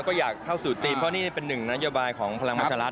ก็อยากเข้าสู่ทีมเพราะนี่เป็นหนึ่งนโยบายของพลังประชารัฐ